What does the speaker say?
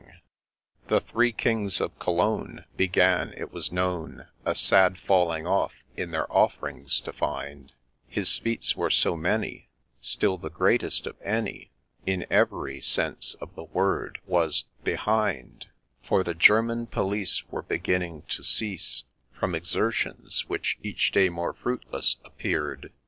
GENGULPUDS The Three Kings of Cologne began, it was known, A sad falling off in their off' rings to find, His feats were so many — still the greatest of any, — In every sense of the word, was — behind ; For the German Police were beginning to cease From exertions which each day more fruitless appear' d.